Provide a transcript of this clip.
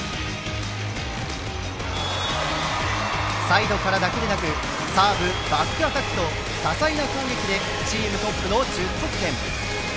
サイドからだけでなくサーブ、バックアタックと多彩な攻撃でチームトップの１０得点。